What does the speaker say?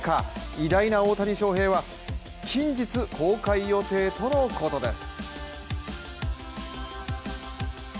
偉大な大谷翔平は近日公開予定とのことです。